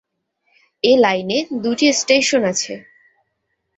এ লাইনে দুটি স্টেশন আছে।